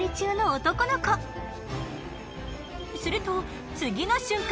すると次の瞬間。